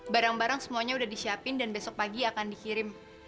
barang barang semuanya udah disiapin dan besok pagi akan dikirim